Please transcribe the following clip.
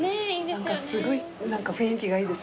すごい雰囲気がいいですね。